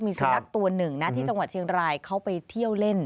มีสุนัขตัวหนึ่งนะที่จังหวัดเชียงรายเขาไปเที่ยวเล่น